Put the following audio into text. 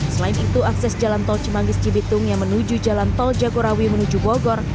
selain itu akses jalan tol cimanggis cibitung yang menuju jalan tol jagorawi menuju bogor